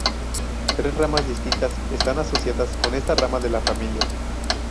Tres ramas distintas están asociadas con esta rama de la familia.